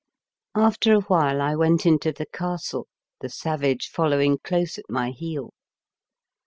After awhile I went into the castle, the savage following close at my heel.